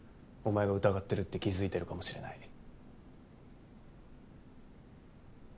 おまえが疑ってるって気づいてるかもしれない。